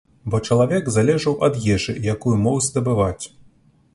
Бо чалавек залежаў ад ежы, якую мог здабываць.